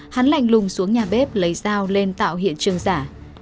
hắn lành lùng xuống nhà bếp lấy dao lên tạo hiện trường giả